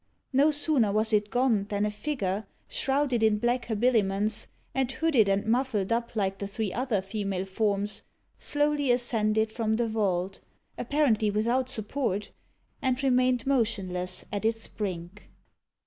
No sooner was it gone than a figure, shrouded in black habiliments, and hooded and muffled up like the three other female forms, slowly ascended from the vault, apparently without support, and remained motionless at its brink.